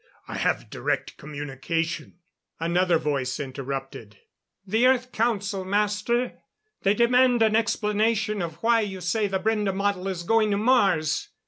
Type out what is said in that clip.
I have direct communication " Another voice interrupted. "The Earth Council, Master! They demand an explanation of why you say the Brende model is going to Mars.